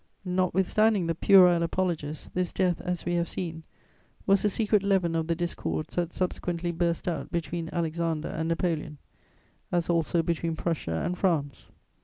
Notwithstanding the puerile apologists, this death, as we have seen, was the secret leaven of the discords that subsequently burst out between Alexander and Napoleon, as also between Prussia and France.